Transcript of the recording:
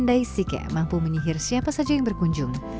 pandai sike mampu menihir siapa saja yang berkunjung